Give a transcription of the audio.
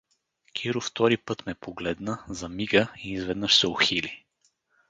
Киро втори път ме погледна, замига и изведнъж се ухили.